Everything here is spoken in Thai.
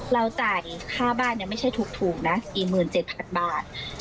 จ่ายค่าบ้านไม่ใช่ถูกนะ๔๗๐๐บาท